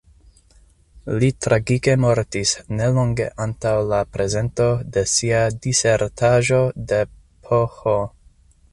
Li tragike mortis nelonge antaŭ la prezento de sia disertaĵo de Ph.